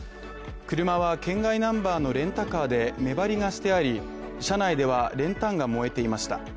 車は県外ナンバーのレンタカーで目張りがしてあり、車内では練炭が燃えていました。